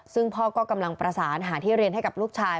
ซึ่งพ่อก็กำลังประสานหาที่เรียนให้กับลูกชาย